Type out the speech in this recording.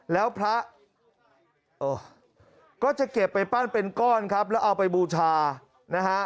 แล้วพระก็จะเก็บไปปั้นเป็นก้อนครับแล้วเอาไปบูชานะฮะ